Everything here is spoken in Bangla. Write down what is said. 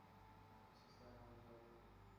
আচ্ছা, স্যার, আমি যাবো।